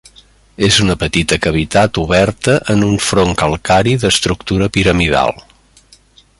És una petita cavitat oberta en un front calcari d'estructura piramidal.